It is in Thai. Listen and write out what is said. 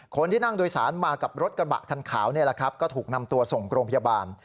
คนที่นั่งโดยสารมากับรถกระบะคันขาวนี่แหละครับก็ถูกนำตัวส่งโรงพยาบาล